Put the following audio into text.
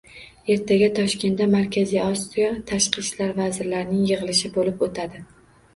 Ertaga Toshkentda Markaziy Osiyo tashqi ishlar vazirlarining yig'ilishi bo'lib o'tadi